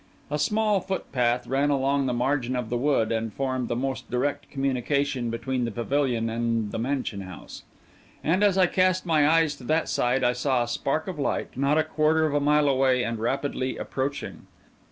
A small footpath ran along the margin of the wood, and formed the most direct communication between the pavilion and the mansion house; and, as I cast my eyes to that side, I saw a spark of light, not a quarter of a mile away, and rapidly approaching.